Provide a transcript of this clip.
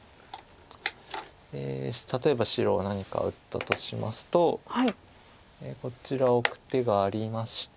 例えば白が何か打ったとしますとこちらオク手がありまして。